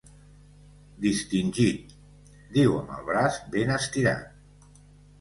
Distingit —diu amb el braç ben estirat.